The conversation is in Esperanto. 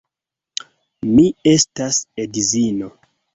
Mi estas edzino.